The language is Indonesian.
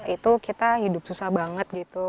itu kita hidup susah banget gitu